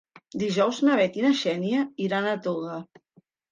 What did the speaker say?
Dijous na Bet i na Xènia iran a Toga.